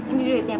ini duitnya pak